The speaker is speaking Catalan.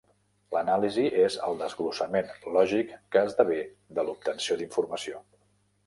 L'anàlisi és el desglossament lògic que esdevé de l'obtenció d'informació.